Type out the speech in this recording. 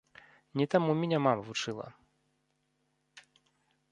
Не таму мяне мама вучыла.